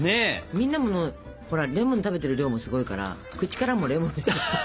みんなもほらレモン食べてる量もすごいから口からもレモンの香りが。